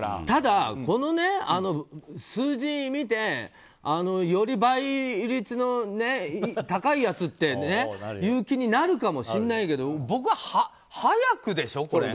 ただ、この数字を見てより倍率の高いやつっていう気になるかもしれないけど早くでしょ。